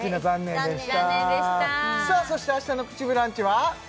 はい残念さあそして明日の「プチブランチ」は？